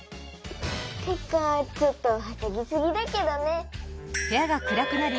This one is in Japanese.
てかちょっとはしゃぎすぎだけどね。